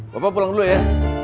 bapak pulang dulu ya